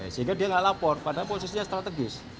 sehingga dia nggak lapor padahal posisinya strategis